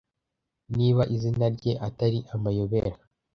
niba izina rye atari amayobera